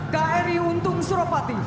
kri untung suropati